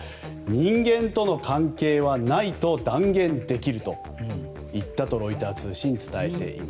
人間との関係はないと断言できるといったとロイター通信は伝えています。